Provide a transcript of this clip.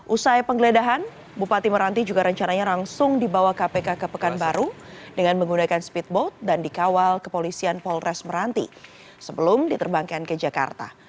usai penggeledahan bupati meranti juga rencananya langsung dibawa kpk ke pekanbaru dengan menggunakan speedboat dan dikawal kepolisian polres meranti sebelum diterbangkan ke jakarta